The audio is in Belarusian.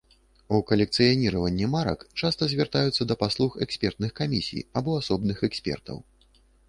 У калекцыяніраванні марак часта звяртаюцца да паслуг экспертных камісій або асобных экспертаў.